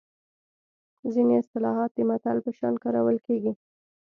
ځینې اصطلاحات د متل په شان کارول کیږي